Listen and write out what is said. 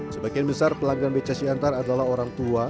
sebagian besar pelanggan beca siantar adalah orang tua